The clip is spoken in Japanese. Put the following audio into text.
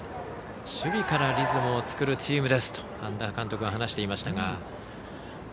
守備からリズムを作るチームですと半田監督が話していましたが。